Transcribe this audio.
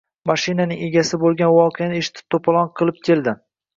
Mashinaning egasi bo`lgan voqeani eshitib to`polon qilib keldi